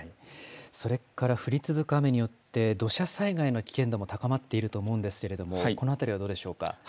それから降り続く雨によって、土砂災害の危険度も高まっていると思うんですけれども、このあたりはどうでしょうか。